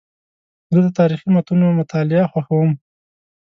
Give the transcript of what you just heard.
زه د تاریخي متونو مطالعه خوښوم.